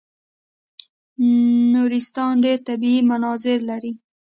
نورستان ډېر طبیعي مناظر لري.